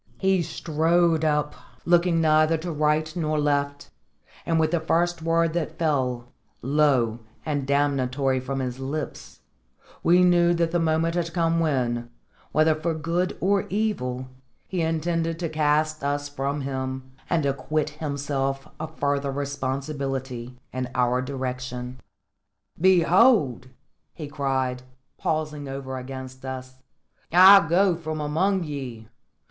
He strode up, looking neither to right nor left, and with the first word that fell, low and damnatory, from his lips, we knew that the moment had come when, whether for good or evil, he intended to cast us from him and acquit himself of further responsibility in our direction. "Behold!" he cried, pausing over against us, "I go from among ye!